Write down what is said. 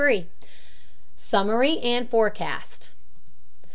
SUMMARY AND FORECAST.